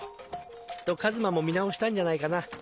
きっと佳主馬も見直したんじゃないかな。